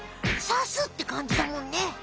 さすってかんじだもんね。